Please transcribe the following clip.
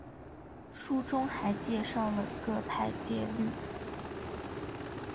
书中还介绍了各派戒律。